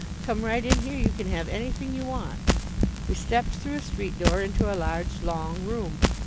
Come right in here. You can have anything you want." We stepped through a street door into a large, long room.